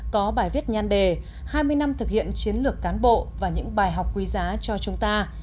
có bài viết nhan đề hai mươi năm thực hiện chiến lược cán bộ và những bài học quý giá cho chúng ta